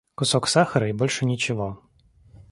Кусок сахара и больше ничего.